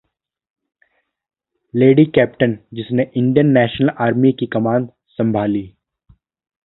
lady captain जिसने Indian National Army की कमान संभाली...